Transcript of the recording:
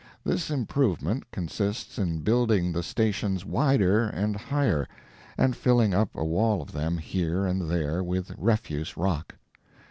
This improvement consists in building the stations wider and higher, and filling up a wall of them here and there with refuse rock.